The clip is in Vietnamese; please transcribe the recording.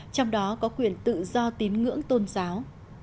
trong đó có quyền tự do tín ngưỡng tôn giáo